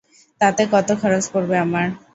তাতে কত খরচ পড়বে আমার?